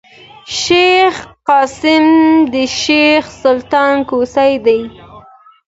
شېخ قاسم د شېخ سلطان کوسی دﺉ.